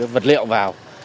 vật liệu vào